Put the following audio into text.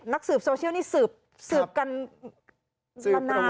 นักสืบโซเชียลนี่สืบกันมานาวเลยค่ะ